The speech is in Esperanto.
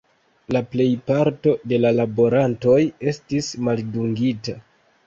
La plejparto de la laborantoj estis maldungita.